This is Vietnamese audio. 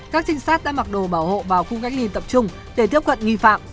các trinh sát đã mặc đồ bảo hộ vào khu cách ly tập trung để tiếp cận nghi phạm